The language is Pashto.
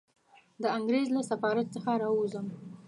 د انګریز له سفارت څخه را ووځم.